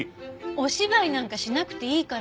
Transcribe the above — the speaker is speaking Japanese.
お芝居なんかしなくていいから。